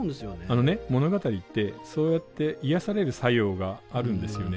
あのね物語ってそうやって癒される作用があるんですよね。